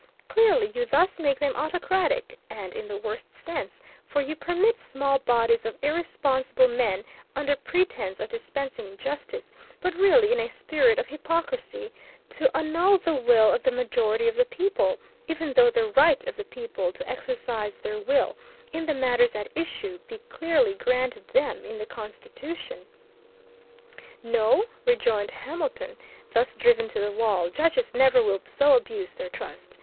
Clearly you thus make them autocratic, and in the worst sense, for you permit small bodies of irresponsible men under pretence of dispensing justice, but really in a spirit of hypocrisy, to annul the will of the majority of the people, even though the right of the people to exercise their will, in the matters at issue, be clearly granted them in the Constitution. No, rejoined Hamilton, thus driven to the wall, judges never will so abuse their trust.